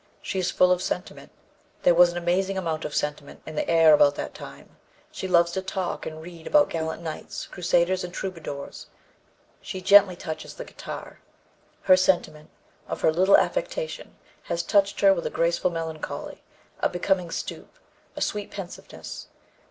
She is full of sentiment; there was an amazing amount of sentiment in the air about that time; she loves to talk and read about gallant knights, crusaders and troubadors; she gently touches the guitar; her sentiment, or her little affectation, has touched her with a graceful melancholy, a becoming stoop, a sweet pensiveness.